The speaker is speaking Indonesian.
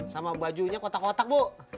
sama bajunya kotak kotak bu